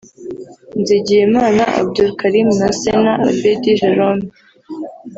Nizigiyimana Abdulkarim na Sena Abedi Jerome